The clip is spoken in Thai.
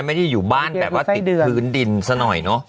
ไม่ได้อยู่บ้านแบบว่าติดพื้นดินซะหน่อยเนอะ